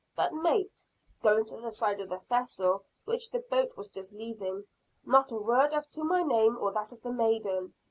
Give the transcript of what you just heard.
But Mate" going to the side of the vessel, which the boat was just leaving, "not a word as to my name or that of the maiden.